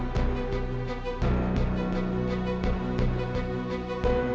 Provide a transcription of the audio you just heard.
nyaris kamu dou ariadya lagi kalau dia mau ke sana to futuro kita buka sekolah